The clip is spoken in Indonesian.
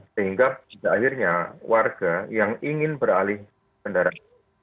sehingga pada akhirnya warga yang ingin beralih kendaraan